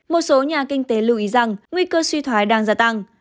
một số nhà kinh tế lưu ý rằng nguy cơ suy thoái đang gia tăng